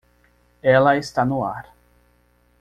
Ela está no ar.